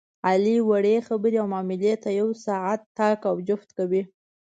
علي وړې خبرې او معاملې ته یو ساعت طاق او جفت کوي.